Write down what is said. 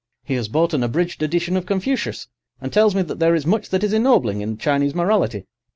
He has bought an abridged edition of Confucius, and tells me that there is much that is ennobling in Chinese morality.